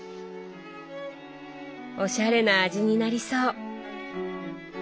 おしゃれな味になりそう。